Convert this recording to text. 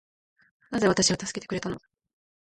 なぜ私を助けてくれたの